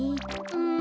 うん。